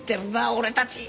俺たち！